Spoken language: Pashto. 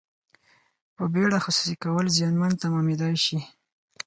په بیړه خصوصي کول زیانمن تمامیدای شي.